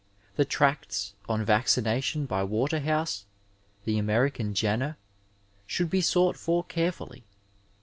The tracts on vaccination by Waterhouse — ^the American Jenner HBhonld be sought for carefully.